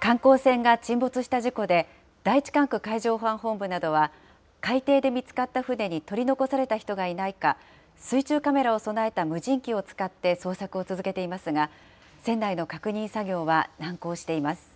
観光船が沈没した事故で、第１管区海上保安本部などは、海底で見つかった船に取り残された人がいないか、水中カメラを備えた無人機を使って捜索を続けていますが、船内の確認作業は難航しています。